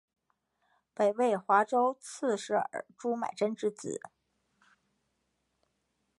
北魏华州刺史尔朱买珍之子。